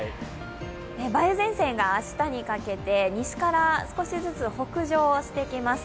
梅雨前線が明日にかけて西から少しずつ北上してきます。